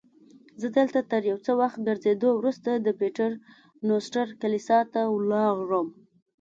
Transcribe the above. زه دلته تر یو څه وخت ګرځېدو وروسته د پیټر نوسټر کلیسا ته ولاړم.